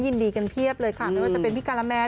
ยินดีกันเพียบเลยค่ะไม่ว่าจะเป็นพี่การาแมน